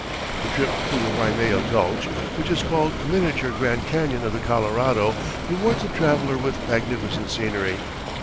The trip through the Waimea Gulch, which is called a miniature Grand Canyon of the Colorado, rewards the traveler with magnificent scenery.